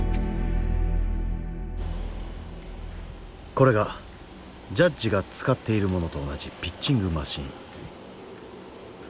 これがジャッジが使っているものと同じピッチングマシン。